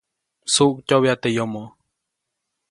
Msuʼktyoʼbya teʼ yomo.